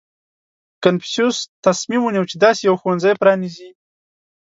• کنفوسیوس تصمیم ونیو، چې داسې یو ښوونځی پرانېزي.